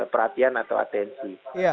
perhatian atau atensi